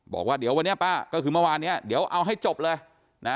บอกว่าเดี๋ยววันนี้ป้าก็คือเมื่อวานเนี้ยเดี๋ยวเอาให้จบเลยนะ